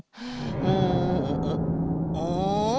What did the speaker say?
うんうん？